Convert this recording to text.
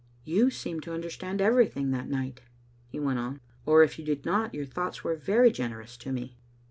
"You seemed to understand everything that night," he went on ;" or if you did not, your thoughts were very generous to me."